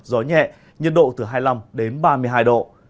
gió nhẹ nhiệt độ từ hai mươi năm đến ba mươi hai độ